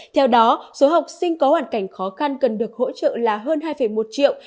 theo đó số học sinh có hoàn cảnh khó khăn cần được hỗ trợ là hơn hai một triệu